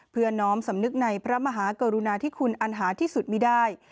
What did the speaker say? เพื่อน้อมสำนึกในพระมหากรุณาที่คุณอันหาที่สุดมีได้